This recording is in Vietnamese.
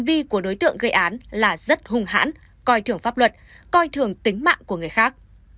vụ án là rất hung hãn coi thường pháp luật coi thường tính mạng của người khác